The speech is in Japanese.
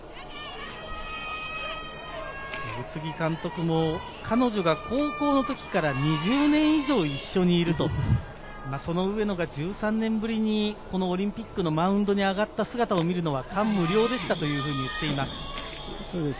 宇津木監督も彼女が高校の時から２０年以上一緒にいるとその上野が１３年ぶりにこのオリンピックのマウンドに上がった姿を見るのは感無量でしたと言っています。